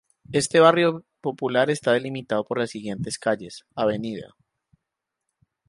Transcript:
Este barrio popular está delimitado por las siguientes calles: Av.